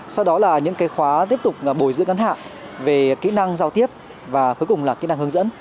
sau đó là những khóa tiếp tục bồi dưỡng ngắn hạn về kỹ năng giao tiếp và cuối cùng là kỹ năng hướng dẫn